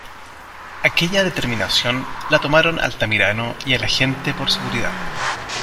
Aquella determinación la tomaron Altamirano y el agente por seguridad.